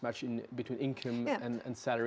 ada pertempuran antara pendapatan dan salari